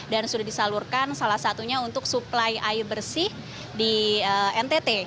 dan sudah disalurkan salah satunya untuk suplai air bersih di ntt